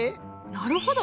なるほど。